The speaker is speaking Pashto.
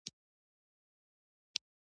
سپي هم خپګان لري.